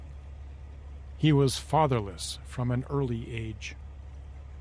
He was fatherless from an early age.